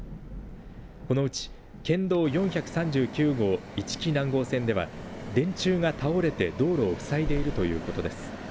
このうち県道４３９号市木南郷線では電柱が倒れて道路を塞いでいるということです。